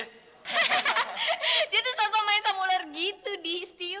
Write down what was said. hahaha dia tuh sel sel main sama ular gitu dih steve